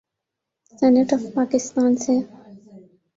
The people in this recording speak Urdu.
سینیٹ آف پاکستان سے۔